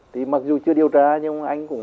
thì mặc dù chưa điều tra nhưng anh cũng